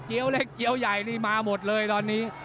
เล็กเจี๊ยวใหญ่นี่มาหมดเลยตอนนี้